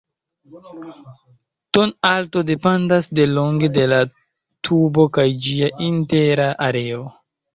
Ton-alto dependas de longo de la tubo kaj ĝia intera areo.